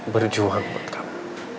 berjuang buat kamu